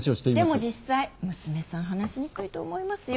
でも実際娘さん話しにくいと思いますよ？